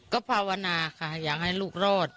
ก็ภาวนาค่ะอยากให้ลูกรอด